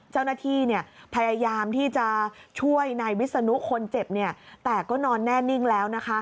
เจ้าหน้าที่พยายามที่จะช่วยนายวิศนุคนเจ็บแต่ก็นอนแน่นิ่งแล้วนะคะ